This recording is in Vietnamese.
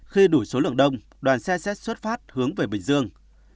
khi đủ số lượng đông đoàn xe xét xuất phát hướng về bình dương